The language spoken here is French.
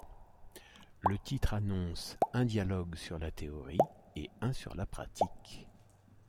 Le titre annonce un dialogue sur la théorie et un sur la pratique.